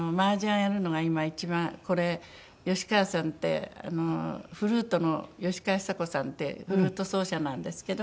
これ吉川さんってフルートの吉川久子さんってフルート奏者なんですけど。